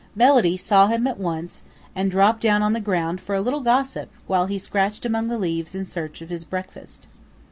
Melody saw him at once and dropped down on the ground for a little gossip while he scratched among the leaves in search of his breakfast.